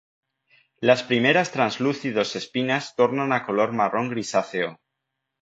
Las primeras translúcidos espinas tornan a color marrón grisáceo.